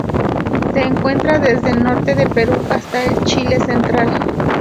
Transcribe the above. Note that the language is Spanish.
Se encuentra desde el norte del Perú hasta el Chile central.